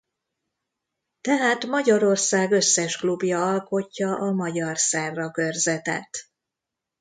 Tehát Magyarország összes klubja alkotja a Magyar Serra körzetet.